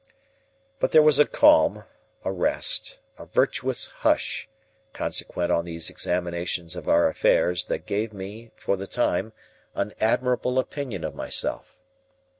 But there was a calm, a rest, a virtuous hush, consequent on these examinations of our affairs that gave me, for the time, an admirable opinion of myself.